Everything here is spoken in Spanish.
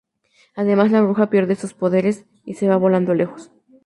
Además, la bruja pierde sus poderes y se va volando lejos.